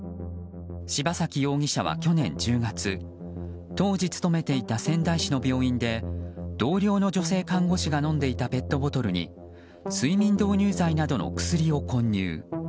柴崎容疑者は去年１０月当時勤めていた仙台市の病院で同僚の女性看護師が飲んでいたペットボトルに睡眠導入剤などの薬を混入。